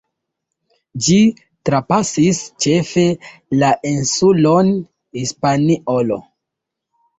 Ĝi trapasis ĉefe la insulon Hispaniolo.